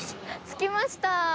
着きました！